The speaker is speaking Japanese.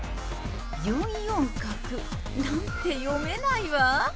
４四角なんて読めないわ。